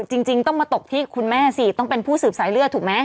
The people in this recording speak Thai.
จริงต้องมาตกที่คุณแม่สิต้องเป็นผู้สืบสายเลือดถูกไหม